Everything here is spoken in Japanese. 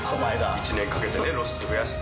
１年かけてね、露出増やして。